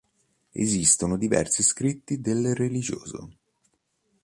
Esistono diversi scritti del religioso.